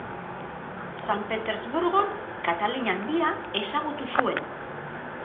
San Petersburgon Katalina Handia ezagutu zuen.